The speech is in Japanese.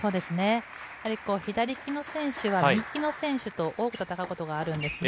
やはり左利きの選手は、右利きの選手と多く戦うことがあるんですね。